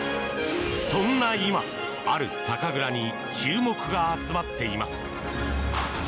そんな今、ある酒蔵に注目が集まっています。